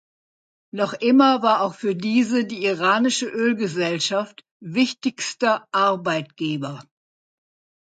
Noch immer war auch für diese die iranische Ölgesellschaft wichtigster Arbeitgeber.